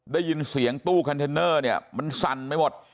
ได้ยินเสียงตู้คอนเทนเนอร์เนี่ยมันสั่นไปหมด